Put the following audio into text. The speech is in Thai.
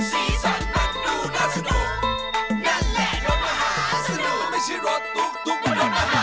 สีสันมันดูน่าสนุกนั่นแหละรถมหาสนุกไม่ใช่รถตุ๊กตุ๊ก